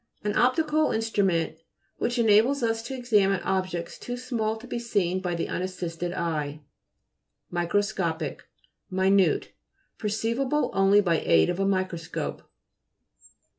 An optical instru ment which enables us to examine objects too small to be seen by the unassisted eye. MI'CROSCOPIC Minu'te ; perceivable only by aid of a microscope.